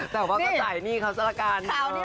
แต่ว่าก็จ่ายหนี้เขาซะละกัน